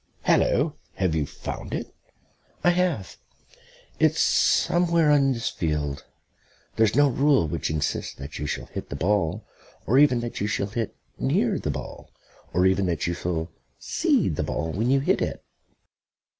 "Hallo! Have you found it?" "I have. It's somewhere in this field. There's no rule which insists that you shall hit the ball, or even that you shall hit near the ball, or even that you shall see the ball when you hit at it.